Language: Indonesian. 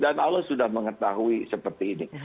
dan allah sudah mengetahui seperti ini